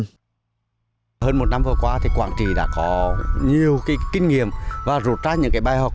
hơn một năm vừa qua quảng trị đã có nhiều kinh nghiệm và rụt ra những bài học